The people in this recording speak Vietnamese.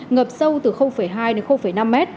ngập sâu từ hai đến năm m